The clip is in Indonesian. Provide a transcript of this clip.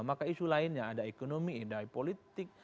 maka isu lainnya ada ekonomi ada politik